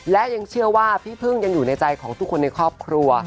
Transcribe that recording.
และยังเชื่อว่าพี่พึ่งยังอยู่ในใจของทุกคนในครอบครัว